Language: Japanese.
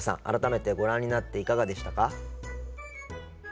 改めてご覧になっていかがでしたか？